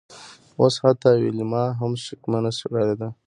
اوس حتی ویلما هم شکمنه ښکاریده